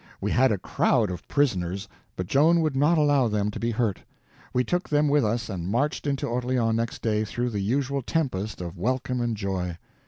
We had a crowd of prisoners, but Joan would not allow them to be hurt. We took them with us and marched into Orleans next day through the usual tempest of welcome and joy.